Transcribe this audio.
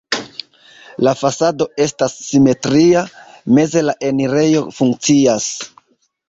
La fasado estas simetria, meze la enirejo funkcias.